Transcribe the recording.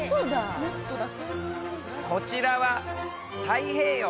こちらは太平洋。